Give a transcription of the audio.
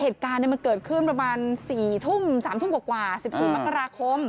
เหตุการณ์มันเกิดขึ้นประมาณ๔ทุ่ม๓ทุ่มกว่า๑๔มกราคม